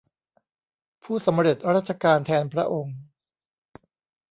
ผู้สำเร็จราชการแทนพระองค์